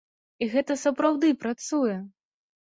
І гэта сапраўды працуе!